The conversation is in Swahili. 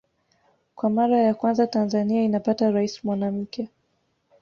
Kwa mara ya kwanza Tanzania inapata Rais mwanamke